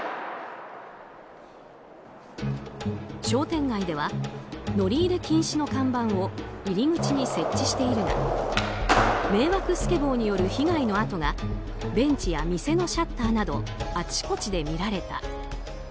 商店街では乗り入れ禁止の看板を入り口に設置しているが迷惑スケボーによる被害の跡がベンチや店のシャッターなどあちこちで見られた。